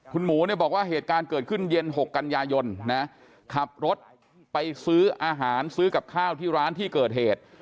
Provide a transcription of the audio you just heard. คุณหมูเนี่ยบอกว่าเหตุการณ์เกิดขึ้นเย็น๖กันยายนนะขับรถไปซื้ออาหารซื้อกับข้าวที่ร้านที่เกิดเหตุ